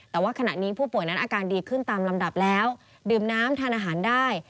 แต่ว่าขณะนี้ผู้ป่วยนั้นอาการดีขึ้นตามลำดับแล้วดื่มน้ำทานอาหารได้